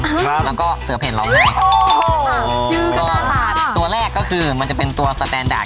ครับแล้วก็เสือเผ็ดร้องไงครับโอ้โหชื่อก็น่ารักตัวแรกก็คือมันจะเป็นตัวสแตนดาร์